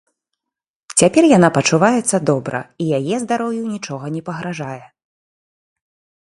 Цяпер яна пачуваецца добра, і яе здароўю нічога не пагражае.